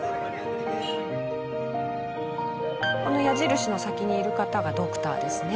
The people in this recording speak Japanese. この矢印の先にいる方がドクターですね。